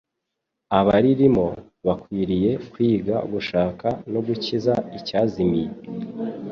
Abaririmo bakwiriye kwiga gushaka no gukiza icyazimiye.